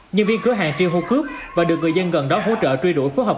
nhân viên cửa hàng tiêu hô cướp và được người dân gần đó hỗ trợ truy đuổi phối hợp